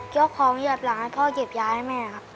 ยกของเหยียบหลังให้พ่อเก็บยาให้แม่ครับ